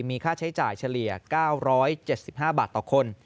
มีค่าใช้จ่ายเฉลี่ย๙๗๕บาทต่อคน